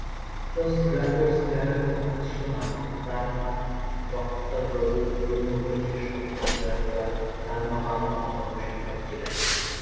ছোস-গ্রাগ্স-র্গ্যা-ম্ত্শো নামক কার্মা-ব্কা'-ব্র্গ্যুদ ধর্মীয় গোষ্ঠীর সপ্তম র্গ্যাল-বা-কার্মা-পা তার অন্যতম শিক্ষক ছিলেন।